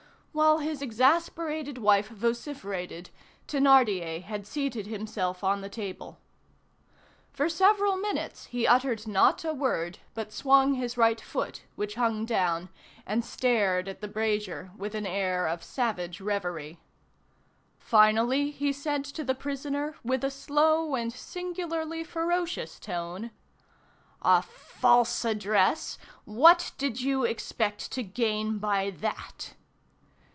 While his exasperated wife vociferated, Thénardier had seated himself on the table. For several minutes he uttered not a word, but swung his right foot, which hung down, and stared at the brazier with an air of savage reverie. Finally, he said to the prisoner, with a slow and singularly ferocious tone: "A false address? What did you expect to gain by that?"